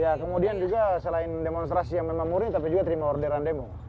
ya kemudian juga selain demonstrasi yang memang murni tapi juga terima orderan demo